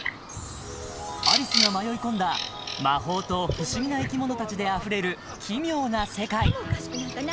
［アリスが迷い込んだ魔法と不思議な生き物たちであふれる奇妙な世界］